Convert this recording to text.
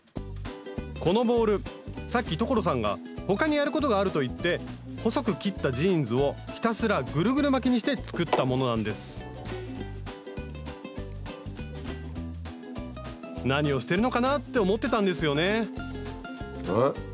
このボールさっき所さんが他にやることがあると言って細く切ったジーンズをひたすらグルグル巻きにして作ったものなんです何をしてるのかなって思ってたんですよねえ？